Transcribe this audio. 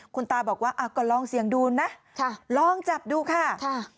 คุณตาบอกว่าก็ลองเสี่ยงดูนะลองจับดูค่ะ